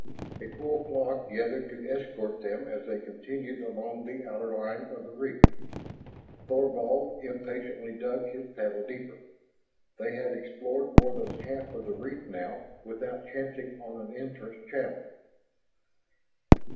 A full flock gathered to escort them as they continued along the outer line of the reef. Thorvald impatiently dug his paddle deeper. They had explored more than half of the reef now without chancing on an entrance channel.